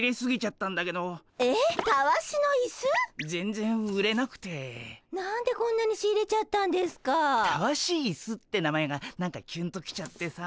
たわしイスって名前が何かキュンと来ちゃってさ。